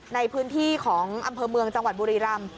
ในพื้นที่ของอำเภอเมืองจังหวัดบุรีรำ